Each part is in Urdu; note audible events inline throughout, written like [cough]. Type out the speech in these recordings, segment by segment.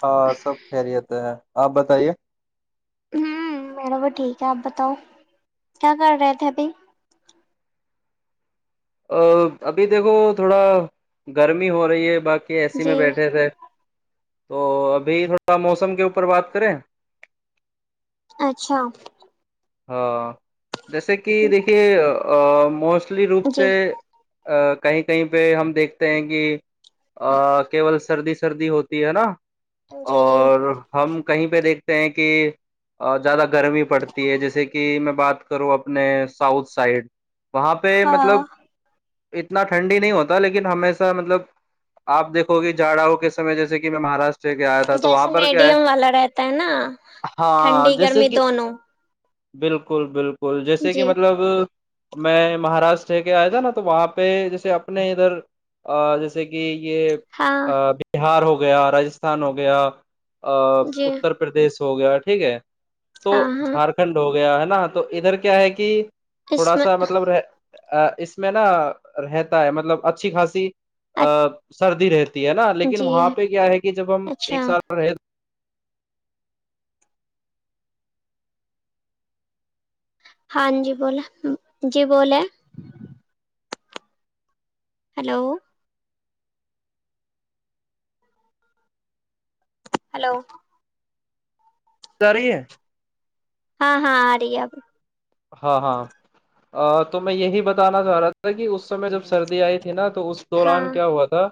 ہاں سب خیریت ہیں آپ بتائیے کیا آپ بتاؤ کیا کر رہے تھےبھی ا ابھی دیکھو تھوڑا گرمی ہو رہی ہے باقی کہ اے سی جی میں بیٹھے تھے تو ابھی تھوڑا موسم کے اوپر بات کریں اچھا ہاں جیسے کہ دیکھیے موسٹ مچلی روپ جی سے ا کہیں کہیں پہ ہم دیکھتے ہیں کہ ا کیول سردی سردی ہوتی ہے ن جی جی اور ہم کہیں پہ دیکھتے ہیں کہ زیادہ گرمی پڑتی جیسے کہ میں بات کروں اپنے ساؤتھ سائڈ وہاں پہ ہاں مطلب اتنا ٹھنڈی نہیں ہوتا لیکن ہمیشہ مطلب آپ دیکھو گے جھاڑوں کے سمے جیسے کہ میں مہاراشٹر کے آیا تھا تو وہاں جیسے پر کیا ہے میڈیم والا رہتا ہے نا ہاں ٹھنڈی جیسے گرمی کہ دونوں بالکل بالکل جیسے کہ جی مطلب میں مہاراشٹر کے آیا تھا نا تو وہاں پہ جیسے اپنے ادھر جیسے کہ یہ ہاں بہار ہوگا گیا راجستھان ہو گیا ا جی اتر پرردیش س ہو گیا ٹھیک ہے تو ہاں ہاں جھارکھنڈ ہو گیا ہے تو ادھر کیا ہے کہ اس تھوڑا میں سا مطلب رہ ا اس میں نا رہتا ہے مطلب اچھی خاصی ا [inaudible] سردی رہتی ہے نا لیکن جی وہاں پہ کیا ہے کہ جب ہم اچھا ایک سال رہ ہاں جی بولیں جی بولے ہلو ہلو ج رہی ہے ہاں ہاں آ رہی ہے ابھی ہاں ہاں تو میں یہی بتانا چاہ رہا تھا کہ اس سمے جب سردی آئی تھی نا تو اس دوران ہاں کیا ہوا تھا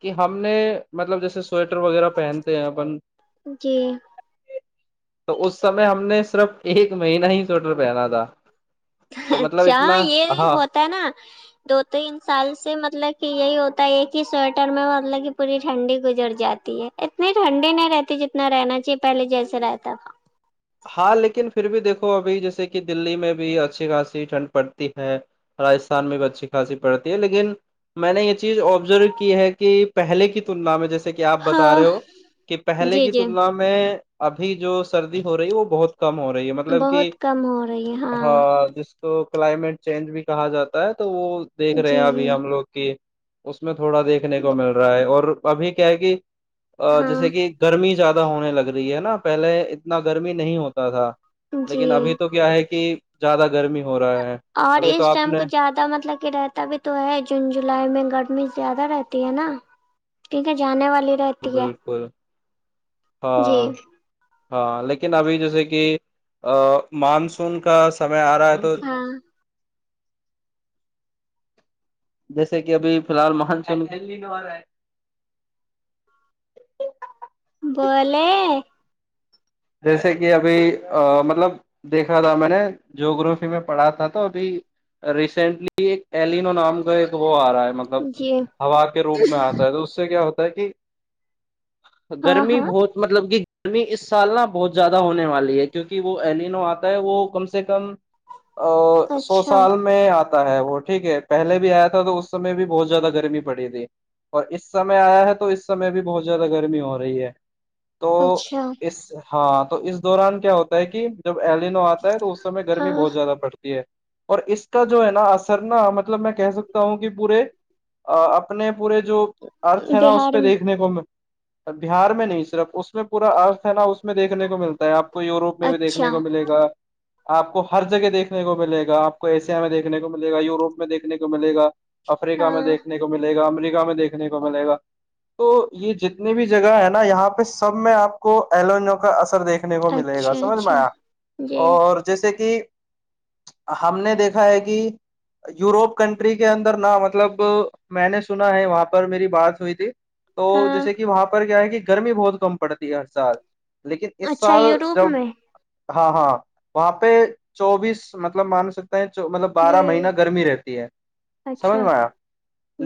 کہ ہم نے مطلب جیسے سویٹر وغیرہ پہنتے ہیں اپن جی تو اس سمے ہم نے صرف ایک مہینہ ہی سوٹ رہا بہنا تھا اچھا اتنا یہ ہاں ہوتا ہے نا دو تین سال سے مطلب کہ یہی ہوتا ہے کہ سویٹر میں مطلب کہ پوری ٹھنڈی گزر جاتی ہے اتنی ٹھنڈی نہیں رہتی جتنا رہنا چاہیے پہلے جیسے رہتا تھا ہاں لیکن پھر بھی دیکھو ابھی جیسے کہ دللی میں بھی اچھی خاصی ٹھنڈ پڑتی ہے راجستھان میں بھی اچھی خاصی پڑتی ہے لیکن میں نے یہ چیز آبزرو کی ہے کہ پہلے کی تلنا میں جیسے کہ آپ بتا ہاں رہے ہو کہ پہلے جی کی جی تلنا میں ابھی جو سردی ہو رہی وہ بہت کم ہو رہی ہے مطلب کہ بہت کم ہو رہی ہے ہاں جس کو کلائمیٹ چینج بھی کہا جاتا ہے تو وہ دیکھ رہے ہیں جی جی ابھی ہم لوگ کی اس میں تھوڑا دیکھنے کو مل رہا ہے اور ابھی کیا ہےکہ ا ہاں جیسے کہ گرمی زیاد ہونے لگ رہی ہے نا پہلے اتنا گرمی نہیں ہوتا تھا جی لیکن ابھی تو کیا ہے کہ زیادہ گرمی ہو رہا ہے اور ابھی تو اس آپ ٹائم نے کچھ زیادہ مطلب کہ رہتا بھی تو ہے جون جولائی میں گرمی زیادہ رہتی ہے نا کیونکہ جانے والے بالکل جی ہاں ہاں لیکن ابھی جیسے کہ مانسون کا سمے میں آ رہا ہے تو ہاں جیسے کہ ابھی فی الحال مونسون بولے جیسے کہ ابھی مطلب دیکھ رہا تھا میں نے جو گروپی میں پڑھا تھا تو ابھی ریسنٹلی ایک ٹیلینو ایلینو نام کا ایک وہ ہے مطلب جی ہوا کے روپ میں آتا ہے تو اس سے کیا ہوتا تا کہ ہاں گرمی ہاں بہت مطلب کہ گرمی اس سال نا بہت زیادہ ہونے والی ہے کیونکہ وہ ایلینو آتا ہے وہ کم سے کم سو اچھا سال میں آتا وہ ٹھیک ہے پہلے بھی آیا تھا تو اس سمے بھی بہت زیادہ گرمی پڑی تھی اور اس سمے آیا ہے تو اس سمے بھی بہت زیادہ گرمی ہو رہی ہے تو اچھا اس ہاں تو اس دوران کیا ہوتا ہے کہ جب ایلینو آتا ہے تو اس سمے گرمی ہاں بہت زیادہ پڑتی ہے اور اس کا جو ہے نا اثر نا مطلب میں کہہ سکتا ہوں کہ پورے اپنے پورے جو ارتھ ہے نا اس بہار پہ میں دیکھنے کو بہار میں نہیں صرف اس میں پورا نا اس میں دیکنے کو ملتا ہے آپ یوروپ میں بھی دیکھنے اچھا کو ملے گا آپ کو ہر جگہ دیکھنے کو ملے گا آپ کو ایشیا میں دیکھنے کو ملے گا یوروپ میں دیکھنے کو ملے گا افریقہ میں ہاں دیکھنے کو ملے گ امریک ہم دیکھنے کو ملے گا تو یہ جتنی بھی جگہ ہے نا یہاں پہ سب میں آپ کو ایلوونو کا اثر دیکھنے کو ملے گا اچھا سمجھ میں اچھا آیا جی اور جیسے کہ ہم نے دیکھا ہے کہ یوروپ کنٹری کے اندر نہا مطلب میں نے سنا ہے وہاں پر میری بات ہوئی تھی تو ہاں جیسے کہ وہاں پر کیا ہے کہ گرمی بہت کم پڑ ہے ہر سال لیکن اس اچھا سال یوروپ جب میں ہاں ہاں وہاں پہ چوبیس مطلب مان سکتے جو مطلب جی بارہ مہین گرمی رہتی ہے سمجھ اچھا میں آیا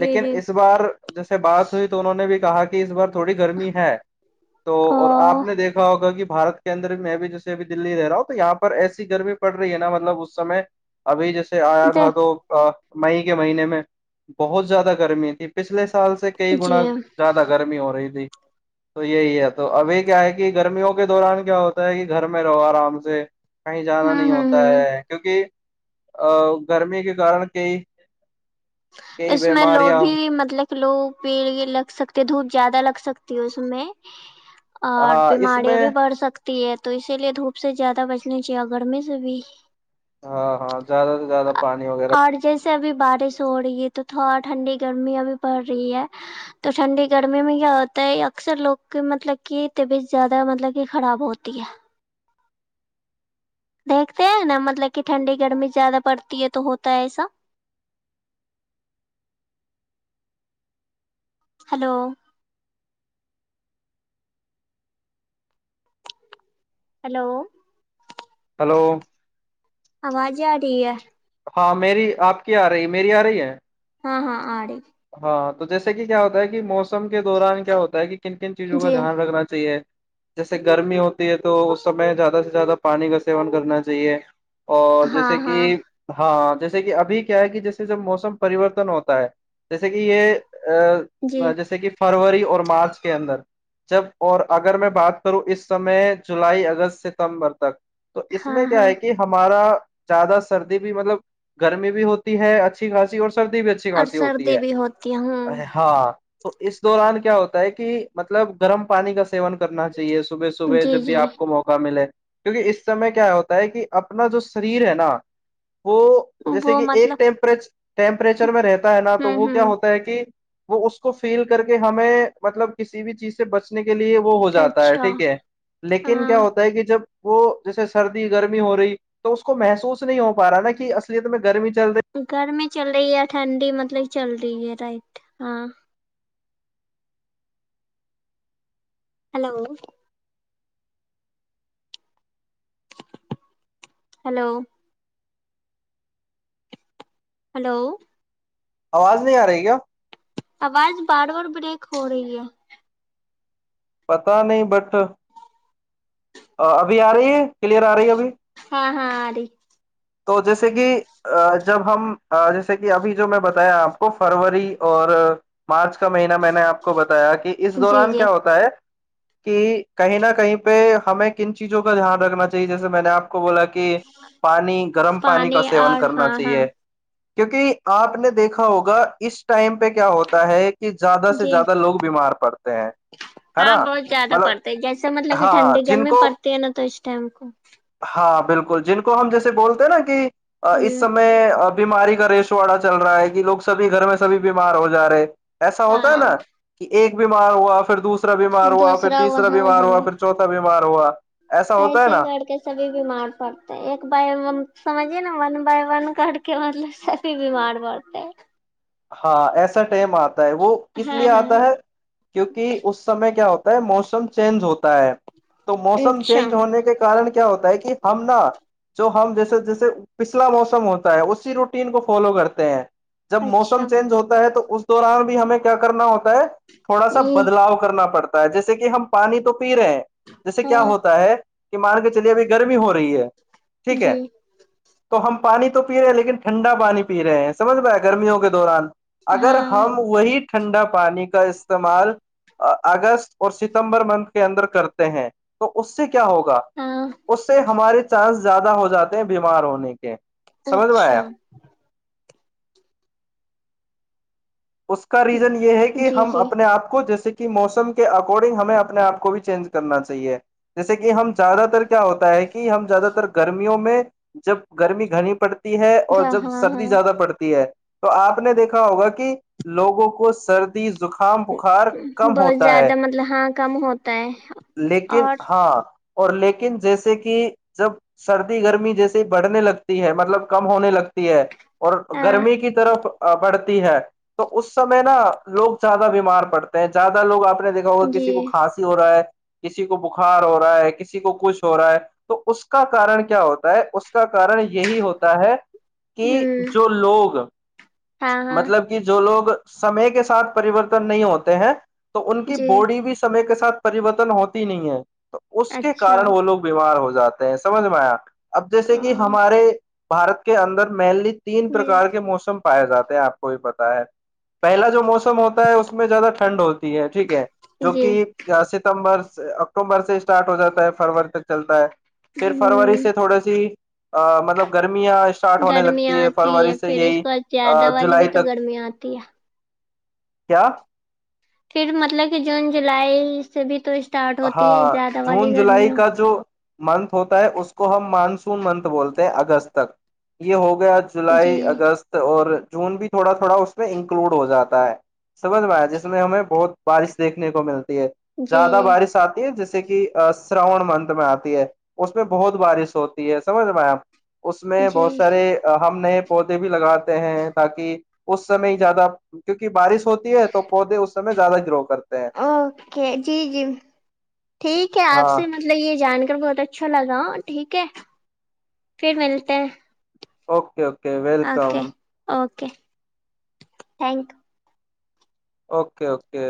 جی جی اس بار جیسے بات ہوئی تو انہوں نے بھی کہا کہ اس بار تھوڑی گرمی ہے تو او اور آپ نے دیکھا ہوگا کہ بارت کے اندر بھی میں بھی جیےبھی دللی رہا ہوں تو یہاں پر ایسی گرمی پڑ رہی ہے نا مطلب اسمے ابھی جیسے سے آیا تھا تو مئی کے مہینے میں بہت زیادہ گرمی تھی پچھلے سال سے کئی جی گنا ہوں زیادہ گرمی ہو رہی تھی تو یہی اب تو ابھی کیا ہے کہ گرمیوں کے دوران کیا ہوتا ہے کہ گھر میں رہو آرام سے کہیں جانا نہیں ہوں ہوتا ہوں ہے کیونکہ ا گرمی کے کارن کئی کئی اس میں لو بیماریاں بھی مطلب لوگ پیڑ لگ سکتے دھوپ زیادہ لگ سکتی ہے اس میں اور ہاں اس بیماریاں میں بھی بڑھ سکتی تی ہے تو اسی لیے دھوپ سے زیادہ بچنی چاہیے گرمی سے بھی ہاں ہاں زیادہ سے زیادہ پانی وغیرہ اور جیسے ابھی بارش سو رہی ہے تو تھوڑا ٹھنڈی گرمی ابھی پڑ رہی ہے تو ٹھنڈی گرمی میں کیا ہوتا ہے اکثر لوگ کی مطلب کہ طبیعت زیادہ مطلب کہ خراب ہوتی ہے دیکھتے ہیں نا مطلب کہ ٹھنڈی گرمی زیادہ پڑتی ہے تو ہوتا ہے ایسا ہلو ہلو ہیلو آواز ج ٹھیک ہے ہاں میری آپ کی آ رہی ہے میری آ رہی ہے ہاں ہاں آڑے ہاں تو جیسے کہ کیا ہوتا ہے کہ موسم کے دوران کیا ہوتا ہے کہ کن کن چیزوں کا جی دھیان رکھنا چاہیے جیسے گرمی ہوتی ہے تو اس سمے زیادہ سے زیادہ پانی کا سیون کرنا چاہیے اور ہاں جیسے کہ ہاں ہاں جیسے کہ ابھی کیا ہے کہ جیسے جب موسم پرریورتن ہوتا ہے جیسے کہ یہ جی ا جیسے کہ فروری اور مارچ کے اندر جب اور اگر میں بات کروں اس سمے جولائی اگست ستمبر تک تو اس ہاں میں کیا ہاں ہے کہ ہمارا زیادہ سردی بھی مطلب گرمی بھی ہوتی ہے اچھی خاصی اور سردی بھی اچھی اور خاصی ہوتی ہیں سردی بھی ہوتی ہوں ہے ہاں تو اس دوران کیا ہوتا ہے کہ مطلب گرم پانی کا س سیون کرنا چاہیے صبح صبح جی جب بھی جی آپ کو موقع ملے کیونکہ اس سمے کیا ہوتا ہے کہ اپنا جو شریر ہے نا وہ جیسے وہ کہ ایک مطلب ٹیپ ٹیمپریچر میں رہتا ہے نا تو ہوں وہ کیا ہوں ہوتا ہے کہ وہ اس کو فیل کر کے ہمیں مطلب کسی بھی چیز سے بچنے کے لیے وہ ہو جاتا ہے اچھا ٹھیک ہے لیکن ہاں کیا ہوتا ہے کہ جب وہ جیسے سردی گرمی ہو رہی تو اس کو محسوس نہیں ہو پا رہا نا کہ اصلیت میں گرمی چل رہی گرمی چل رہی ہے ٹھنڈی مطلب چل رہی ہے رائٹ ہاں ہلو ہلو ہلو آواز نہیں آ رہی کیا آواز بار بار بریک ہو رہی ہے پتہ نہیں بٹ ابھی آ رہی ہے کلیئر آ رہی ہے ابھی ہاں ہاں آ رہی تو جیسے کہ جب ہم جیسے کہ ابھی جو میں بتایا آپ کو فروری اور پانچ کا مہینہ میں نے آپ کو بتایا کہ اس جی دوران جی کیا ہوتا ہے کہ کہیں نہ کہیں پہ ہمیں کن چیزوں کا دھیان رکھنا چاہیے جیسے میں نے آپ کو بولا کہ کہ پانی گرم پانی کا سیون اور کرنا ہاں ہاں چاہیے کیونکہ آپ نے دیکھا ہوگا اس ٹائم پہ پ کیا ہوتا ہے کہ زیادہ سے جی زیادہ لوگ بیمار پڑتے ہیں ہے نا ہاں بہت زیادہ پڑتے ہے جیسے مطلب کہ ہاں ٹھنڈی جن گرمی کو پڑتی ہے نا تو اس ٹائم کو ہاں بالکل جن کو ہم جیے بول د نا کہ جی اس سمے اب بیماری کا ریش واڑا چل رہا ہے کہ لوگ سبھی گھر میں سبھی بیمار ہو جا رہے ایسا ہوتا ہے ہاں نا کہ ایک بیمار ہوا پھر دوسرا بیمار ہوا پھر دوسرا تیسرا وہاں بیمار ہاں ہوا پھر چوتا بیمار باروا ایسے ہی کر کے سبھی بیمار پڑتے ہیں ایک بائی ہم سمجھیے نا ون بائی ون کر کے مطلب سبھی بیمار پڑتے ہیں ہاں ایسا ٹم آتا ہے وہ کس ہاں لیے ہاں آتا ہے کیونکہ اس سمے کیا ہوتا ہے موسم تو چینج ہوتا ہے تو موسم اچھا چینج ہونے کے کارن کیا ہوتا ہے کہ ہم نا جو ہم جیسے جیسے پچھلا موسم ہوتا ہے اسی روٹین کو فالو کرتے ہیں جب موسم اچھا چینج ہوتا ہے تو اس دوران بھی ہمیں کیا کرنا ہوتا ہے تھوڑا سا ہمم بدلاؤ کرنا پڑتا جیسے کہ ہم پانی تو پی رہے ہیں جیسے کیا ہاں ہوتا ہے کہ مان کے چلیے ابھی گرمی ہو رہی ہے ٹھیک ہے جی تو ہم پانی تو پی رہے ہیں لیکن ٹھنڈا پانی پی رہے ہیں سمھاائے گرمیوں کے تو [unintelligible] اگر ہاں ہم وہی ٹھنڈا پانی کا استعمال اگست اور ستمبر منتھ کے اندر کرتے ہیں تو اس سے کیا کیا ہوگا ہاں اس سے ہمارے چانس زیادہ ہو جاتے ہیں بیمار ہونے کے سمجھ میں اچھا آیا اس کا ریزن یہ ہے کہ جی ہم جی اپنے اپ کو جیسے موسم کے اکارڈنگ ہمیں اپنے اپ کو بھی چینج کرنا چاہیے جیسے کہ ہم زیادہ تر کیا ہوتا ہے کہ ہم زیادہ تر گرمیوں میں جب گرمی گرمی پڑ ہے اور ہاں جب ہاں سردی ہاں زیادہ پڑتی ہے تو اپ نے دیکھا ہوگا کہ لوگوں کو سردی زخام بخار کم بہت ہوتا ہے زیادہ مطلب ہاں کم ہوتا ہے لیکن اور ہاں اور لیکن جیسے کہ جب سردی گرمی جیسے ہی بڑھنے لگتی ہے مطلب کم ہونے لگتی ہے اور ہاں گرمی کی طرف بڑھتی ہے تو غصے میں نہ لوگ زیادہ بیمار پڑتے ہیں زیادہ لوگ اپ دیکھا ہوگا جی کسی کو کھانسی ہو رہا ہے کسی کو بخار ہو رہا ہے کسی کو کچھ ہو رہا ہے تو اس کا کارن کیا ہوتا ہے کا کارن یہی ہوتا ہے کہ ہمم جو لوگ ہاں ہاں مطلب کہ جو لوگ سمے کے ساتھ پریورتن نہیں ہوتے ہیں تو ان کی جی باڈی بھی سمے کے ساتھ پریوررتن ہوتی ہی نہیں ہے اس کے اچھا کارن وہ لوگ بیمار ہوتے جاتے ہیں سمجھ میں آیا اب جیسے کہ ہمارے بارت کے اندر مینلی تین جی پرکار کے موسم پائے جاتے ہیں اپ کو یہ پتہ ہے پہلا جو موسم ہوتا ہے اس میں زیادہ ٹھنڈ ہوتی ہے ٹھیک ہے جو جی کہ ستمبر اکتوبر سے سٹارٹ ہو جاتا ہے فرور سے چلتا ہے پھر فروری ہ سے تھوڑی سی مطلب گرمیاں اسٹارٹ ہونے گرمی لگتی ہے آتی فروری سے پھر یہی جولائی تک تی ہے کیا پھر مطلب کہ جون جولائی سے بھی تو اسٹارٹ ہوتی ہے ہاں زیادہ والی جون جولائی گرمیوں کا جو منتھ ہوتا ہے اس کو ہم مانسون منتھ بولتے ہیں اگست تک یہ ہوگا گیا جی جولائی اگست اور جون بھی تھوڑا تھوڑا اس میں انکلوڈ ہو جاتا ہے سمجھ میں آیا جس میں ہمیں بہت بارش دیکھنے کو مل ہے زیادہ جی بارش ہے جیسے کہ شراون منت میں آتی ہے اس میں بہت بارش ہوتی ہے سمجھ میںئے آپ اس میں جی بہت سارے ہم نئے پودے بھی لگاتے ہیں تاکہ اس سمے ہی زیادہ کیونکہ بارش ہوتی ہے تو پودے اس کے میں زیادہ گرو کرتے ہیں اوکے جی جی ٹھیک ہے آپ ہاں سے مطلب یہ جان کر بہت اچھا لگا ٹھیک ہے پھر ملتے ہیں اوکے اوکے وک welcome okay okay thank you okay okay